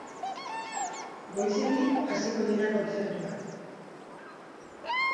Goizetik hasiko dira kontzertuak.